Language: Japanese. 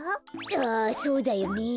ああそうだよねえ。